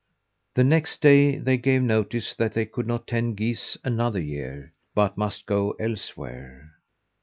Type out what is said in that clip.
The next day they gave notice that they could not tend geese another year, but must go elsewhere.